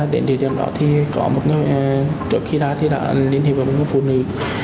đến địa điểm đó thì có một người trước khi ra thì đã liên hệ với một người phụ nữ